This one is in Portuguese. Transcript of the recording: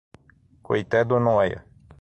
Coité do Noia